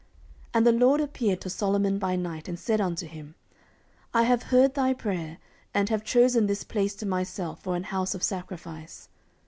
14:007:012 And the LORD appeared to Solomon by night, and said unto him, I have heard thy prayer, and have chosen this place to myself for an house of sacrifice.